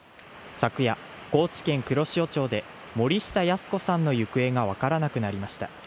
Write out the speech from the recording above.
昨夜、高知県黒潮町で森下靖子さんの行方が分からなくなりました。